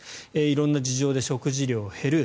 色んな事情で食事量が減る。